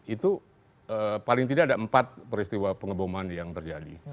itu paling tidak ada empat peristiwa pengeboman yang terjadi